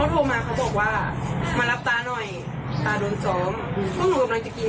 แต่ว่าตาทำไม่ได้กลับบ้าน